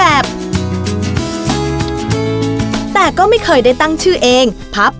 พี่ดาขายดอกบัวมาตั้งแต่อายุ๑๐กว่าขวบ